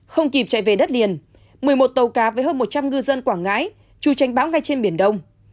không kịp chạy về đất liền một mươi một tàu cá với hơn một trăm linh ngư dân quảng ngãi trù tranh bão ngay trên biển đông